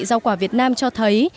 giao quả việt nam cho thấy